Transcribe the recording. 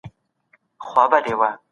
زراعتي نظام په بشپړ صنعتي نظام بدل سو.